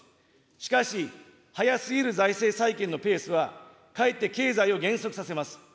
しかし、早すぎる財政再建のペースは、かえって経済を減速させます。